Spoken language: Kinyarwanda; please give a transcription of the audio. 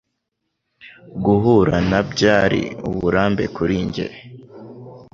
Guhura na byari uburambe kuri njye.